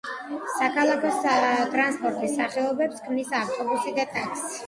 საქალაქო ტრანსპორტის სახეობებს ქმნის ავტობუსი და ტაქსი.